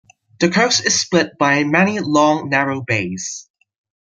The coast is split by many long, narrow bays.